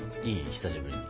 久しぶりに。